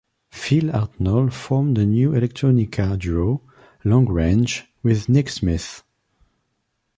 Phil Hartnoll formed a new electronica duo, Long Range, with Nick Smith.